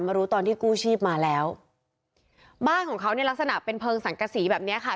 รู้ตอนที่กู้ชีพมาแล้วบ้านของเขาเนี่ยลักษณะเป็นเพลิงสังกษีแบบเนี้ยค่ะ